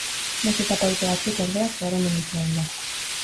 Beste etapa ohiko batzuk, ordea, zeharo menditsuak dira.